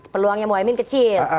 peluangnya mohamad kecil